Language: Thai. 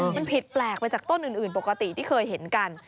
มันผิดแปลกไปจากต้นอื่นปกติที่เคยเห็นกัน